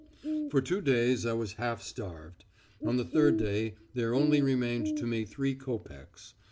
"For two days I was half starved. On the third day there only remained to me three copecks.